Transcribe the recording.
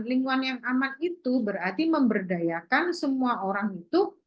lingkungan yang aman itu berarti memberdayakan semua orang itu